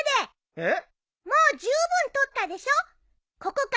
えっ？